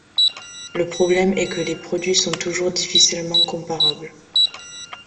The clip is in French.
Le problème est que les produits sont toujours difficilement comparables.